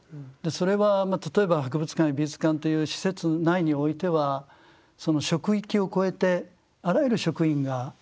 それは例えば博物館や美術館という施設内においてはその職域を超えてあらゆる職員がそれに向けて努力をする。